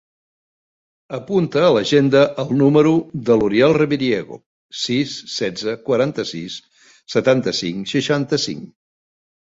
Apunta a l'agenda el número de l'Uriel Reviriego: sis, setze, quaranta-sis, setanta-cinc, seixanta-cinc.